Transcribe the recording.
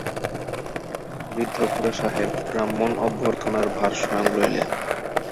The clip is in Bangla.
বৃদ্ধ খুড়াসাহেব ব্রাহ্মণ-অভ্যর্থনার ভার স্বয়ং লইলেন।